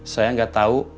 saya gak tahu